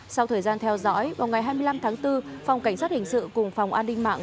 sau thời gian theo dõi vào ngày hai mươi năm tháng bốn phòng cảnh sát hình sự cùng phòng an ninh mạng